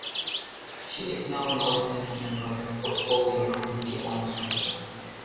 She is now an ordinary member of the Portfolio Committee on Tourism.